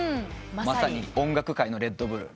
まさに音楽界のレッドブル。